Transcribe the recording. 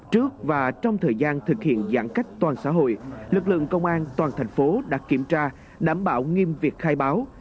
trước và trong thời gian thực hiện giãn cách toàn xã hội lực lượng công an toàn thành phố đã kiểm tra đảm bảo nghiêm việc khai báo